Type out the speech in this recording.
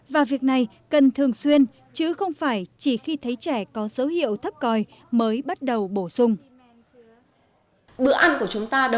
và việc này cần thường xuyên chứ không phải chỉ khi thấy trẻ có dấu hiệu thấp coi mới bắt đầu bổ sung